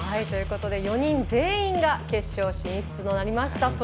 ということで４人全員が決勝進出となりました。